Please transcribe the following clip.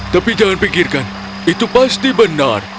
tapi jangan pikirkan itu pasti benar